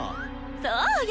そうよ。